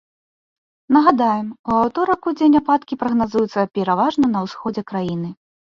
Нагадаем, у аўторак удзень ападкі прагназуюцца пераважна на ўсходзе краіны.